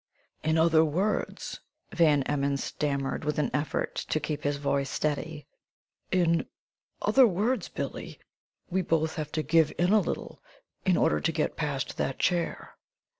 "In other words," Van Emmon stammered, with an effort to keep his voice steady "in other words, Billie, we both had to give in a little, in order to get past that chair!"